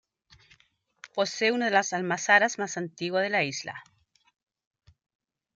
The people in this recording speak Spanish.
Posee una de las almazaras más antiguas de la isla.